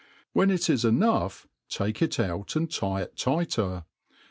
When it is enough, take it out and tie it tighter.